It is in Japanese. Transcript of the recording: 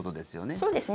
そうですね。